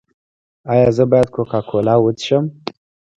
ایا زه باید کوکا کولا وڅښم؟